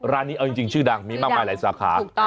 ร้านนี้เอาจริงชื่อดังมีมากมายหลายสาขา